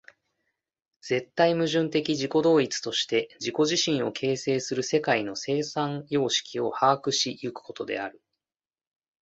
絶対矛盾的自己同一として自己自身を形成する世界の生産様式を把握し行くことである。